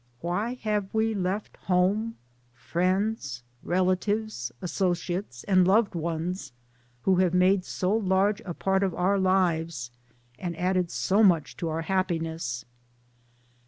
Why have we left home, friends, relatives, associates, and loved ones, who have made so large a part of our lives and added so much to our hap piness